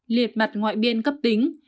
liệt mặt ngoại biên cấp tính